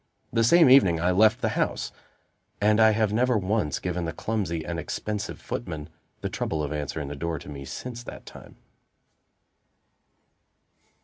The same evening I left the house, and I have never once given the clumsy and expensive footman the trouble of answering the door to me since that time.